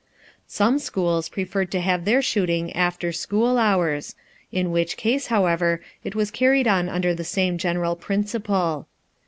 Some schools preferred to have their shooting after school hours, in which case, however, it was carried on under the same general principle.